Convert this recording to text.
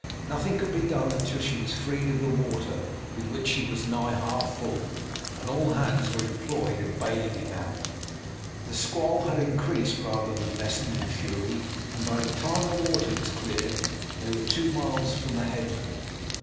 Nothing could be done until she was freed of the water, with which she was nigh half full, and all hands were employed in bailing it out. The squall had increased rather than lessened in fury, and by the time the water was cleared out they were two miles from the headland.